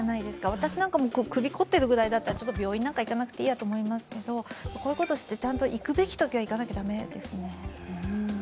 私なんかも首凝ってるくらいなら病院なんか行かなくてもいいなと思いますけどこういうことを知って、ちゃんと行くべきとは行かなきゃ駄目ですね。